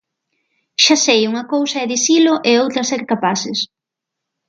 Xa sei unha cousa é dicilo e outra ser capaces.